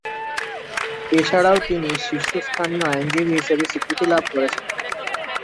এছাড়াও তিনি "শীর্ষস্থানীয় আইনজীবী" হিসাবে স্বীকৃতি লাভ করেছেন।